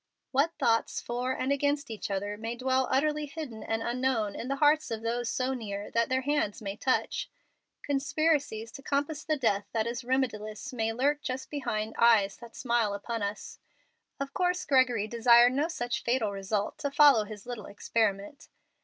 What thoughts for and against each other may dwell utterly hidden and unknown in the hearts of those so near that their hands may touch! Conspiracies to compass the death that is remediless may lurk just behind eyes that smile upon us. Of course Gregory desired no such fatal result to follow his little experiment.